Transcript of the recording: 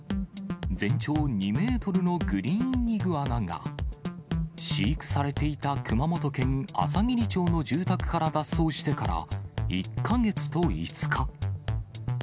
全長２メートルのグリーンイグアナが、飼育されていた熊本県あさぎり町の住宅から脱走してから１か月と５日。